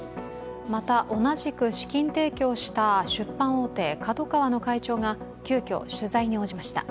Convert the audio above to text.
また、同じく資金提供した出版大手ＫＡＤＯＫＡＷＡの会長が急きょ、取材に応じました。